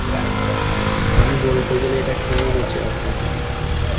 আমি বলতে গেলে এটা খেয়েই বেঁচে আছি।